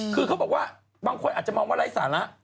คือเขาบอกว่าบางคนอาจจะมองว่าไร้สาระ